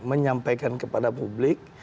menyampaikan kepada publik